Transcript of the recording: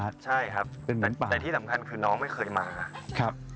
ใช่ครับแต่ที่สำคัญคือน้องไม่เคยมาครับ